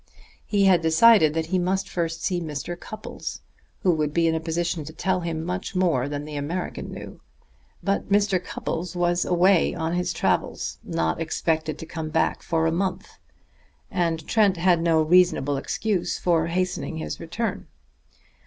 He had decided that he must first see Mr. Cupples, who would be in a position to tell him much more than the American knew. But Mr. Cupples was away on his travels, not expected to come back for a month; and Trent had no reasonable excuse for hastening his return.